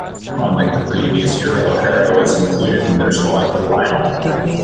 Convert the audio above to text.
Unlike the previous year, O'Hara was included in their squad for the final.